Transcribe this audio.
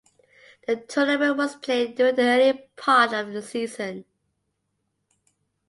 The tournament was played during the early part of the season.